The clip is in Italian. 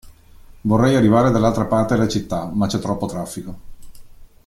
Vorrei arrivare dall'altra parte della città, ma c'è troppo traffico.